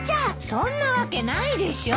そんなわけないでしょ。